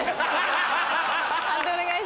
判定お願いします。